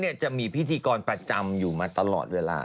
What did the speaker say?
จะมีพิธีกรประจำอยู่มาตลอดเวลา